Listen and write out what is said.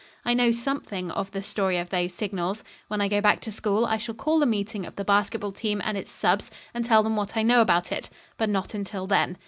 I know something of the story of those signals. When I go back to school I shall call a meeting of the basketball team and its subs. and tell them what I know about it; but not until then.